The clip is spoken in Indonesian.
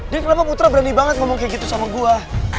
dek kenapa putra berani banget ngomong kayak gitu sama gue